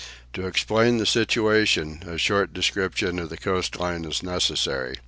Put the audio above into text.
To explain the situation, a short description of the coast line is necessary.